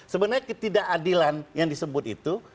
sebenarnya ketidak adilan yang disebut itu